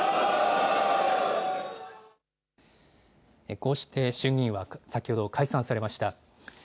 こうして衆議院は先ほど、解散されました。